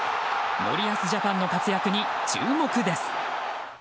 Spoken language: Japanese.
森保ジャパンの活躍に注目です。